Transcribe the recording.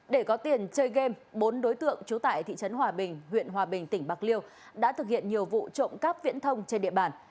để có tiền chơi game bốn đối tượng trú tại thị trấn hòa bình huyện hòa bình tỉnh bạc liêu đã thực hiện nhiều vụ trộm cắp viễn thông trên địa bàn